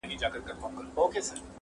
• فقط لکه د فلم تماشې ته چي وتلي وي -